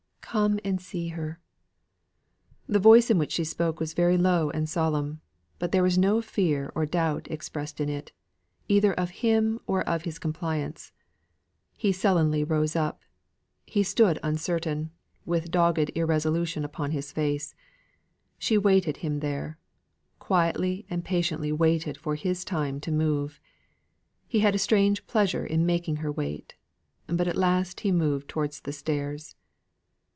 "Come and see her!" The voice in which she spoke was very low and solemn; but there was no fear or doubt expressed in it, either of him or of his compliance. He sullenly rose up. He stood uncertain, with dogged irresolution upon his face. She waited him there; quietly and patiently waited for his time to move. He had a strange pleasure in making her wait; but at last he moved towards the stairs.